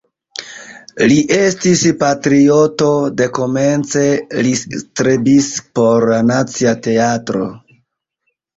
Li estis patrioto, dekomence li strebis por la Nacia Teatro.